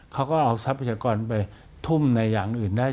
เขาก็เอาทรัพยากรไปทุ่มในอย่างอื่นได้